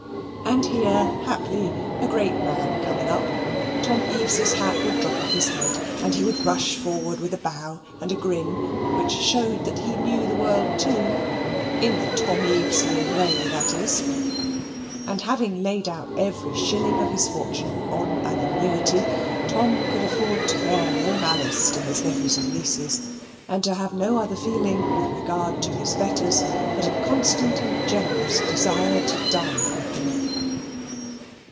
And here, haply, a great man coming up, Tom Eaves's hat would drop off his head, and he would rush forward with a bow and a grin, which showed that he knew the world too in the Tomeavesian way, that is. And having laid out every shilling of his fortune on an annuity, Tom could afford to bear no malice to his nephews and nieces, and to have no other feeling with regard to his betters but a constant and generous desire to dine with them.